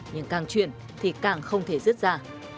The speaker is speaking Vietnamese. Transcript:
nhưng càng chuyển thì càng không thể rút ra